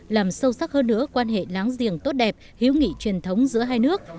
làm sâu sắc hơn nữa quan hệ láng giềng tốt đẹp hiếu nghị truyền thống giữa hai nước